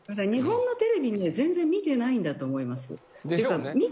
日本のテレビ全然見てないんだと思います。でしょうね。